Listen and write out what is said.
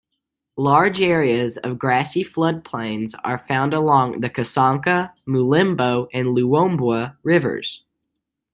Large areas of grassy floodplains are found along the Kasanka, Mulembo and Luwombwa rivers.